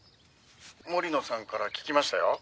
森野さんから聞きましたよ」